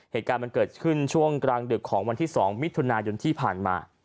เหตุการณ์มันเกิดขึ้นช่วงกลางดึกของวันที่๒มิถุนายนที่ผ่านมา